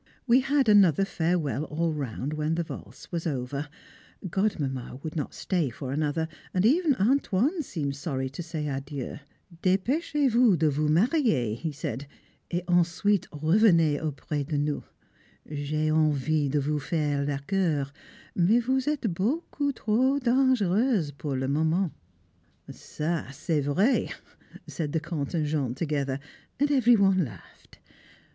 We had another farewell all round when the valse was over Godmamma would not stay for another, and even "Antoine" seemed sorry to say "Adieu." "Dépêchez vous de vous marier," he said, "et ensuite revenez auprès de nous. J'ai envie de vous faire la cour, mais vous êtes beaucoup trop dangereuse pour le moment." "Ça, c'est vrai!" said the Comte and Jean together, and every one laughed.